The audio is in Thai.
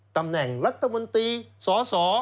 ตำแหน่งรัฐมนตรีสส